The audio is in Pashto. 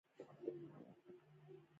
ښه فلمونه خلک ښه پیل ته هڅوې.